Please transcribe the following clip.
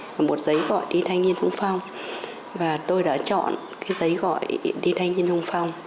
và một giấy gọi đi thanh niên sung phong và tôi đã chọn cái giấy gọi đi thanh niên sung phong